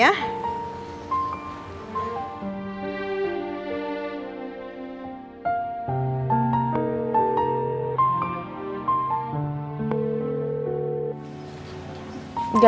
udah mama telepon dulu ya